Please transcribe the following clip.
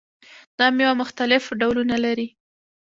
دا میوه مختلف ډولونه لري.